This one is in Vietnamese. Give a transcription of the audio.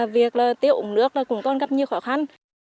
việc tiêu ủng nước cũng còn gặp nhiều khó khăn